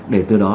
để từ đó